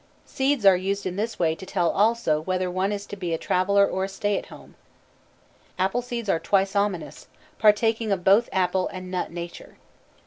Seeds are used in this way to tell also whether one is to be a traveler or a stay at home. Apple seeds are twice ominous, partaking of both apple and nut nature.